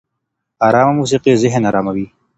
ارامه موسيقي ذهن اراموي